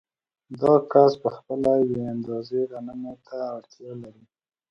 دا کس په خپله یوې اندازې غنمو ته اړتیا لري